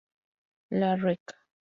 La Rec.